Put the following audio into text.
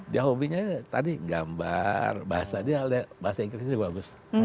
dia hobinya tadi gambar bahasa dia bahasa inggrisnya bagus